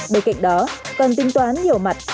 bên cạnh đó cần tinh toán nhiều mặt